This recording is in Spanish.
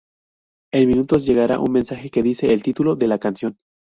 En minutos llegara un mensaje que dice el título de la canción.